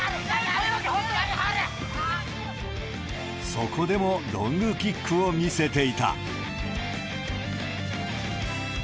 そこでもロングキックを見せていた。